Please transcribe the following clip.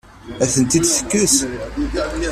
Ad tent-id-tekkes?